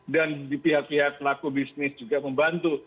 dan di pihak pihak pelaku bisnis juga membantu